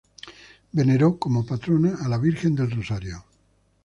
Veneró como patrona a la Virgen del Rosario.